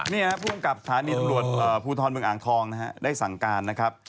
นี่ครับภูมิกับสถานีตำรวจภูทรเมืองอ่างทองนะฮะได้สั่งการนะครับ